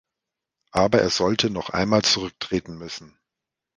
Aber er sollte noch einmal zurücktreten müssen.